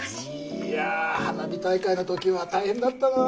いや花火大会の時は大変だったなあ。